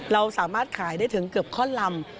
เราสามารถขายได้ถึงเกือบข้อนลำ